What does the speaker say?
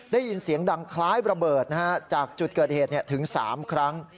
ได้ยินเสียงดังคล้ายระเบิดจากจุดเกิดเหตุถึง๓ครั้ง